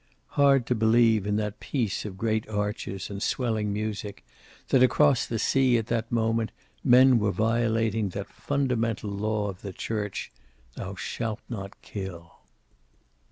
Hard to believe, in that peace of great arches and swelling music, that across the sea at that moment men were violating that fundamental law of the church, "Thou shalt not kill."